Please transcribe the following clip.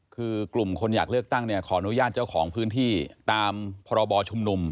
คือกลุ่มคนอยากเลือกตั้งเนี่ยขออนุญาตเจ้าของพื้นที่ตามพรบชุมนุม